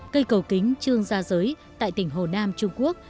cây cầu kính trương gia giới tại tỉnh hồ nam trung quốc